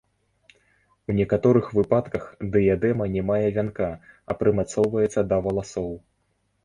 У некаторых выпадках дыядэма не мае вянка, а прымацоўваецца да валасоў.